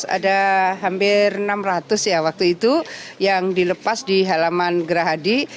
ada hampir enam ratus ya waktu itu yang dilepas di halaman gerahadi